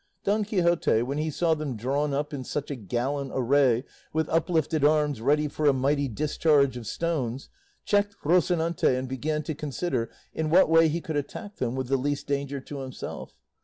Don Quixote, when he saw them drawn up in such a gallant array with uplifted arms ready for a mighty discharge of stones, checked Rocinante and began to consider in what way he could attack them with the least danger to himself.